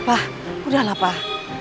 pas udahlah pas